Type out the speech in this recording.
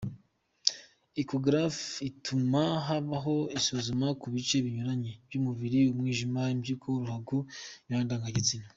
Echographie ituma habaho isuzuma kubice binyuranye by’umubiri : Umwijima, impyiko, uruhago , imyanya ndagagitsina,.